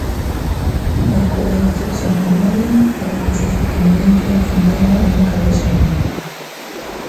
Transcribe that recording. La escuela de instrucción primaria, para cuyo sostenimiento hay fundada una capellanía.